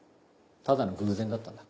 ただの偶然だったんだ。